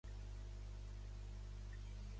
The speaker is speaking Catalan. Ellenborough buscava la seva expulsió de Kàtmandu.